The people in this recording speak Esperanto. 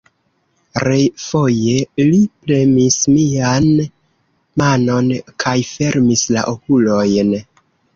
Refoje li premis mian manon kaj fermis la okulojn.